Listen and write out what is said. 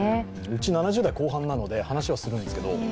うち、７０代後半なので話はするんですけど